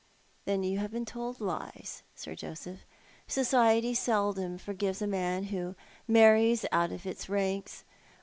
" Then you have been told lies. Sir .Toseph. Society seldom forgives a man who marries out of its ranks.